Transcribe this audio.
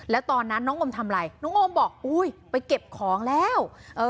แล้วตอนนั้นน้องโอมทำอะไรน้องโอมบอกอุ้ยไปเก็บของแล้ว